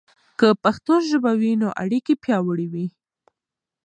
که پښتو ژبه وي، نو اړیکې پياوړي وي.